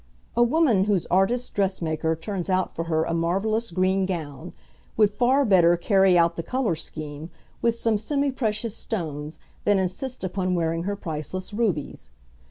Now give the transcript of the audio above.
A woman whose artist dressmaker turns out for her a marvellous green gown, would far better carry out the colour scheme with some semi precious stones than insist upon wearing her priceless rubies.